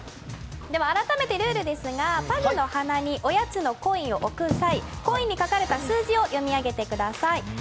改めてルールですが、パグの鼻におやつのコインをのせる際コインに書かれた数字を読み上げてください。